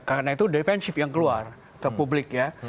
karena itu defensif yang keluar ke publik ya